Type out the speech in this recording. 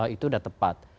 itu sudah tepat